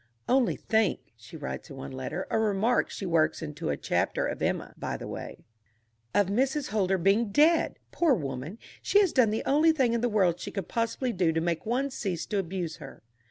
"Only think," she writes in one letter a remark she works into a chapter of Emma, by the way "of Mrs. Holder being dead! Poor woman, she has done the only thing in the world she could possibly do to make one cease to abuse her."